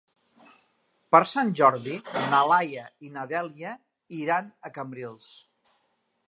Per Sant Jordi na Laia i na Dèlia iran a Cambrils.